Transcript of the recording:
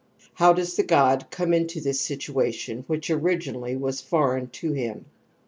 How does the god come liito this situati6n~which originally was foreign to him ?